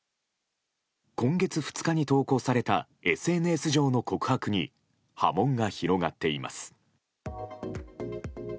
今月２日に投稿されたＳＮＳ上の告白に波紋が広がっています。